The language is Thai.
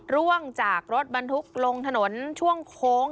ร่วงจากรถบรรทุกลงถนนช่วงโค้ง